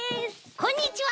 こんにちは！